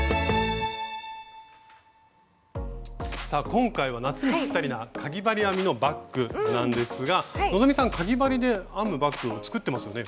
今回は夏にぴったりなかぎ針編みのバッグなんですが希さんかぎ針で編むバッグ作ってますよね。